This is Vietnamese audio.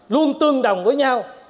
luôn tương đồng với nhau